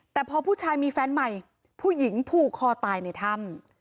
แต่พอผู้ชายมีแฟนใหม่ผู้หญิงผูกคอตายในถ้ำ